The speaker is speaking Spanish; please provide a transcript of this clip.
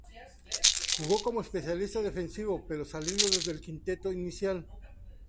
Jugó como especialista defensivo, pero saliendo desde el quinteto inicial.